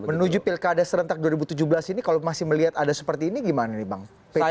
menuju pilkada serentak dua ribu tujuh belas ini kalau masih melihat ada seperti ini gimana nih bang